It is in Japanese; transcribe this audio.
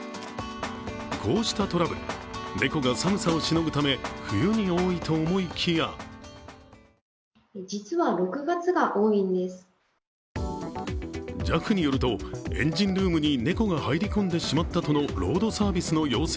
こうしたトラブル、猫が寒さをしのぐため、冬に多いと思いきやＪＡＦによるとエンジンルームに猫が入り込んでしまったとのロードサービスの要請